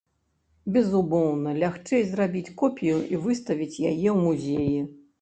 Безумоўна, лягчэй зрабіць копію і выставіць яе ў музеі.